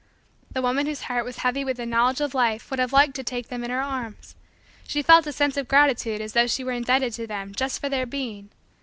The woman whose heart was heavy with knowledge of life would have liked to take them in her arms. She felt a sense of gratitude as though she were indebted to them just for their being.